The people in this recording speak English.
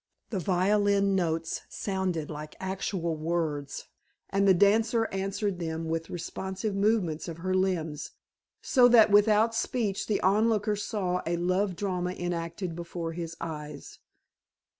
The violin notes sounded like actual words, and the dancer answered them with responsive movements of her limbs, so that without speech the onlooker saw a love drama enacted before his eyes.